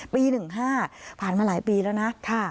ปีหนึ่งห้าผ่านมาหลายปีแล้วนะค่ะ